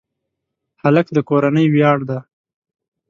هلک د کورنۍ ویاړ دی.